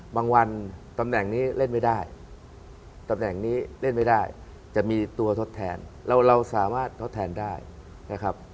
วันตำแหน่งนี้เล่นไม่ได้ตำแหน่งนี้เล่นไม่ได้จะมีตัวทดแทนเราสามารถทดแทนได้นะครับ